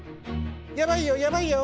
やばいよやばいよ！